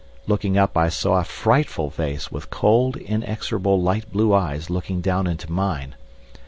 Looking up I saw a frightful face with cold inexorable light blue eyes looking down into mine.